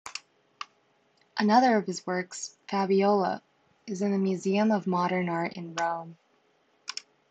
Another of his works, "Fabiola" is in the Museum of Modern Art in Rome.